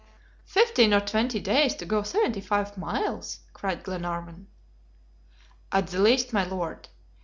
"Fifteen or twenty days to go seventy five miles?" cried Glenarvan. "At the least, my Lord.